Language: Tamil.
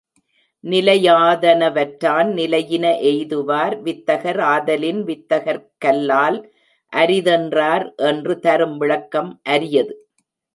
நிலையாதனவற்றான் நிலையின எய்துவார் வித்தகர் ஆதலின் வித்தகர்க்கல்லால் அரிதென்றார் என்று தரும் விளக்கம் அரியது.